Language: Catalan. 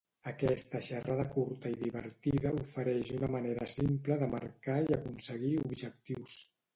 Aquesta xerrada curta i divertida ofereix una manera simple de marcar i aconseguir objectius.